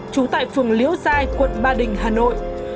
trú tại phường liễu giai quận ba đình hà nội